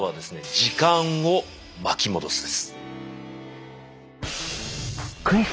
「時間を巻き戻す」です。